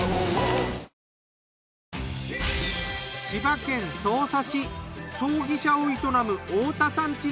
千葉県匝瑳市葬儀社を営む太田さん